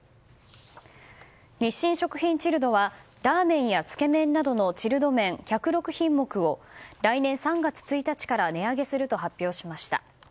日清食品チルドはラーメンやつけ麺などのチルド麺１０６品目を来年３月１日から値上げすると発表しました。